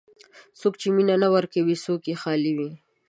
څوک چې مینه نه ورکوي، ژوند یې خالي وي.